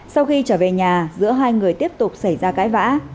sau khi trở về nhà giữa hai người tiếp tục xảy ra cãi vã